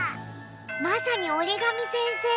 まさにおりがみせんせいだ。